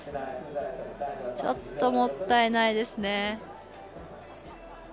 ちょっともったいないですね。